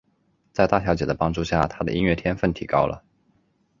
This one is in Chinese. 在大小姐的帮助下他的音乐天份提高了。